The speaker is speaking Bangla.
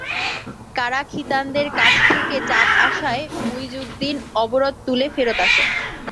কারা-খিতানদের কাছ থেকে চাপ আসায় মুইজউদ্দিন অবরোধ তুলে ফেরত আসেন।